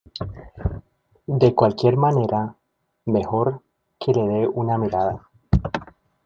De cualquier manera mejor que le de una mirada.